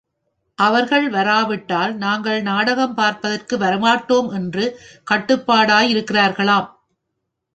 அவர்கள் வராவிட்டால் நாங்கள் நாடகம் பார்ப்பதற்கு வரமாட்டோம் என்று கட்டுப்பாடாயிருக்கிறார்களாம்.